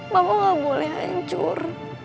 papa gak boleh hancur